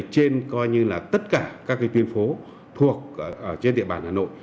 trên tất cả các tuyển phố thuộc trên địa bàn hà nội